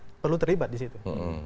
jadi kami perlu terlibat di situ